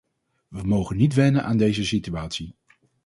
We mogen niet wennen aan deze situatie.